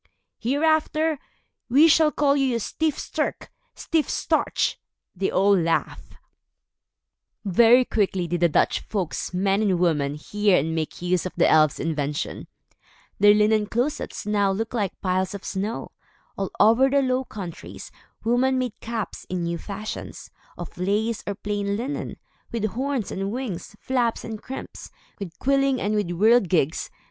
"Hereafter, we shall call you Styf Sterk, Stiff Starch." They all laughed. Very quickly did the Dutch folks, men and women, hear and make use of the elves' invention. Their linen closets now looked like piles of snow. All over the Low Countries, women made caps, in new fashions, of lace or plain linen, with horns and wings, flaps and crimps, with quilling and with whirligigs.